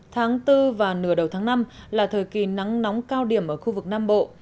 tháng bốn và nửa đầu tháng năm là thời kỳ nắng nóng cao điểm ở khu vực nam bộ